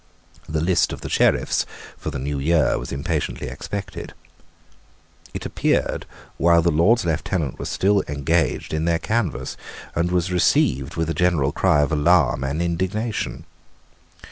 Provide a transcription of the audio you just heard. The list of the Sheriffs for the new year was impatiently expected. It appeared while the Lords Lieutenants were still engaged in their canvass, and was received with a general cry of alarm and indignation.